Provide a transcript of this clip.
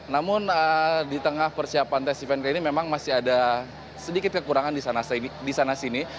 namun di tengah persiapan tes event ini memang masih ada sedikit kekurangan di sana sini